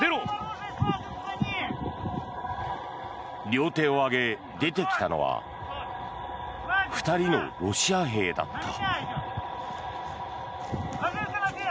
両手を上げ出てきたのは２人のロシア兵だった。